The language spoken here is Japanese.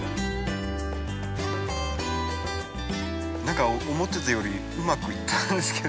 何か思ってたよりうまくいったんですけど。